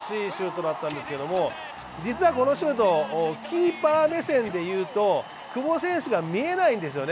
ここ止めたあと、すばらしいシュートだったんですけども実はこのシュート、キーパー目線で言うと久保選手が見えないんですよね。